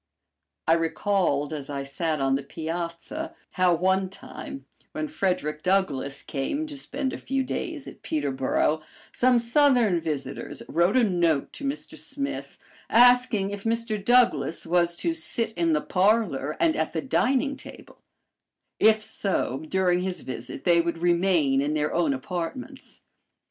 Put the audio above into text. I recalled as I sat on the piazza how one time, when Frederick Douglass came to spend a few days at Peterboro, some Southern visitors wrote a note to Mr. Smith asking if Mr. Douglass was to sit in the parlor and at the dining table; if so, during his visit they would remain in their own apartments.